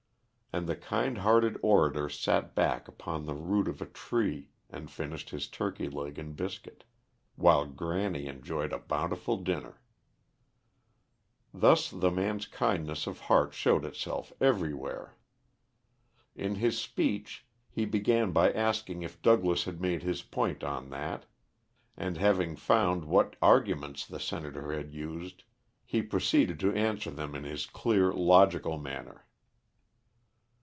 And the kind hearted orator sat back upon the root of a tree and finished his turkey leg and biscuit, while "Granny" enjoyed a bountiful dinner. Thus the man's kindness of heart showed itself everywhere. In his speech, he began by asking if Douglas had made his point on that; and having found what arguments the senator had used, he proceeded to answer them in his clear, logical manner.